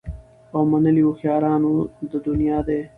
او منلي هوښیارانو د دنیا دي